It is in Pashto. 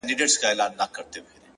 علم د پرمختګ کیلۍي عنصر دی’